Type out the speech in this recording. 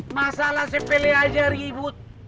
masalah sepele aja ribut